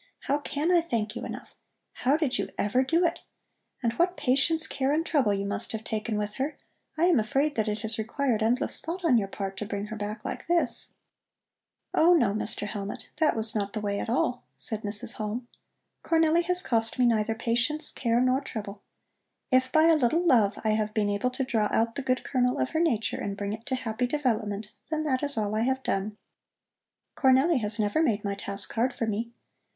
How can I thank you enough? How did you ever do it? And what patience, care and trouble you must have taken with her. I am afraid that it has required endless thought on your part to bring her back like this." "Oh, no, Mr. Hellmut, that was not the way at all," said Mrs. Halm. "Cornelli has cost me neither patience, care, nor trouble. If by a little love I have been able to draw out the good kernel of her nature and bring it to happy development, then that is all I have done. Cornelli has never made my task hard for me.